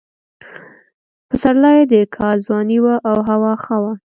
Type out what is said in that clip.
پسرلی د کال ځواني وه او هوا ښه وه.